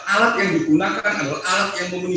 alat yang digunakan adalah alat yang memenuhi